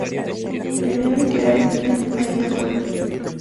Crean que hay bien ahí fuera.